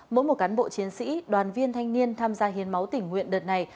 mỗi một cán bộ chiến sĩ đoàn viên thanh niên tham gia hiến máu tỉnh nguyện đợt này